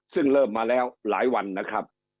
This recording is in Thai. ซึ่งเริ่มมาแล้วหลายวันนะครับ